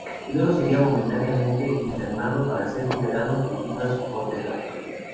Luego sería momentáneamente internado, para ser liberado debido a su corta edad.